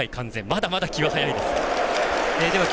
まだまだ気は早いですが。